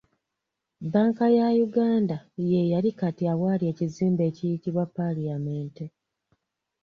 Banka ya Uganda yeeyali kati awali ekizimbe ekiyitibwa Parliament.